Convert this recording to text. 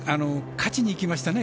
勝ちにいきましたね